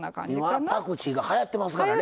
今パクチーがはやってますからね。